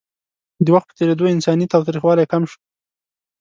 د وخت په تېرېدو انساني تاوتریخوالی کم شو.